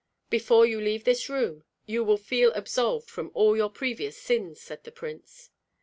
"Before you leave this room, you will feel absolved from all your previous sins," said the prince.